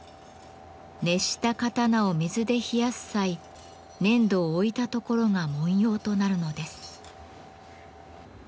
熱した刀を水で冷やす際粘土を置いた所が文様となるのです。